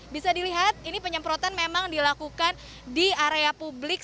bisa dilihat ini penyemprotan memang dilakukan di area publik